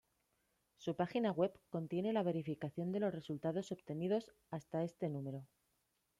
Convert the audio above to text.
Su página web contiene la verificación de los resultados obtenidos hasta este número.